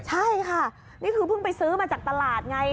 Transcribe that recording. ใช่ค่ะนี่คือเพิ่งไปซื้อมาจากตลาดไง